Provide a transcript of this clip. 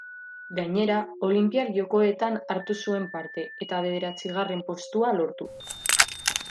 Gainera, Olinpiar Jokoetan hartu zuen parte, eta bederatzigarren postua lortu.